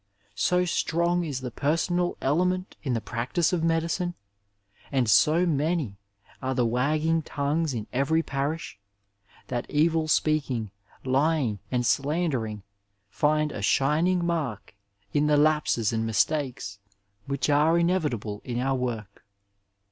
So strong is the personal element in the practice of medicine, and so many are the wagging tongues in every parish^ that evil speaking, Ijring, and slandering find a shining mark in the lapses and mistakes which are inevitable in our work.